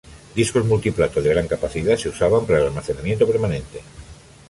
Discos multi-plato de gran capacidad se usaban para el almacenamiento permanente.